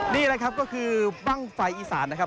นี่แหละครับก็คือบ้างไฟอีสานนะครับ